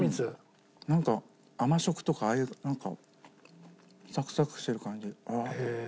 なんか甘食とかああいうなんかサクサクしてる感じ。